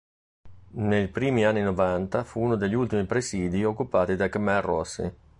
Nei primi anni Novanta fu uno degli ultimi presidi occupati dai Khmer rossi.